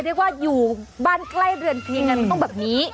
เรียกว่าอยู่บ้านใกล้เรือนเคลียงกันมันต้องแบบนี้